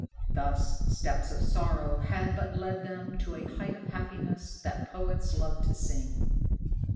Thus steps of sorrow had but led them to a height of happiness that poets love to sing.